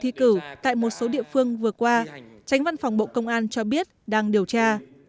thi cử tại một số địa phương vừa qua tránh văn phòng bộ công an cho biết đang điều tra